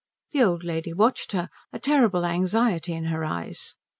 The old lady watched her, a terrible anxiety in her eyes.